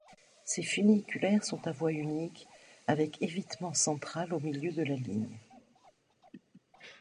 Ces funiculaires sont à voie unique, avec évitement central au milieu de la ligne.